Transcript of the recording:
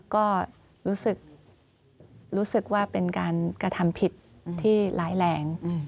ก็รู้สึกว่าเป็นการกระทำผิดที่ร้ายแรง